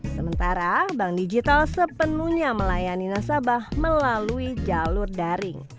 sementara bank digital sepenuhnya melayani nasabah melalui jalur daring